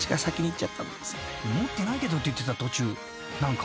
［「持ってないけど」って言ってた途中何か］